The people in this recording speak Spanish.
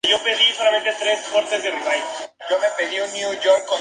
El mismo día fue cesado por el presidente de la Generalitat, Carles Puigdemont.